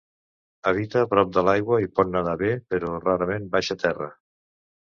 Habita prop de l'aigua i pot nedar bé, però rarament baixa terra.